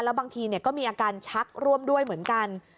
แล้วบางทีเนี่ยก็มีอาการชักร่วมด้วยเหมือนกัน